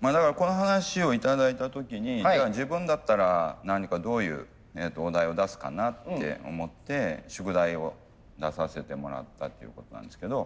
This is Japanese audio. だからこの話を頂いた時にじゃあ自分だったら何かどういうお題を出すかなって思って宿題を出させてもらったっていうことなんですけど。